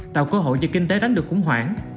tạo cơ hội cho kinh tế tránh được khủng hoảng